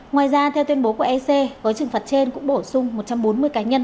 ngoài ra theo tuyên bố của ec gói trừng phạt trên cũng bổ sung một trăm bốn mươi cá nhân